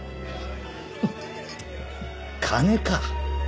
フッ金か。